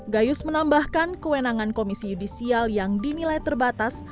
gayus menambahkan kewenangan komisi yudisial yang dinilai terbatas